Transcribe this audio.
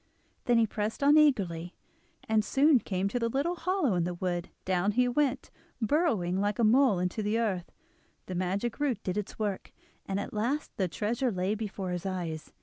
Then he pressed on eagerly, and soon came to the little hollow in the wood; down he went, burrowing like a mole into the earth; the magic root did its work, and at last the treasure lay before his eyes.